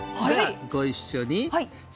ご一緒に。